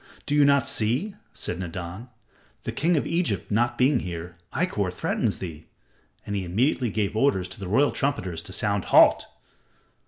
"Do you not see?" said Nadan. "The king of Egypt not being here, Ikkor threatens thee," and he immediately gave orders to the royal trumpeters to sound "Halt!"